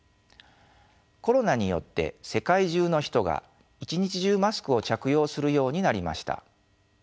コロナによって世界中の人が一日中マスクを着用するようになりました。